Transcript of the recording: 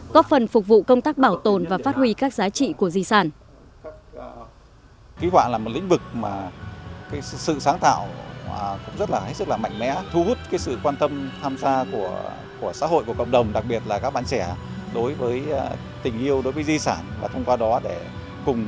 góp phần phục vụ công tác bảo tồn và phát huy các giá trị của di sản